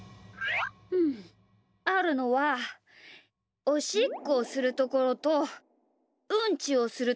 うんあるのはおしっこをするところとうんちをするところだな。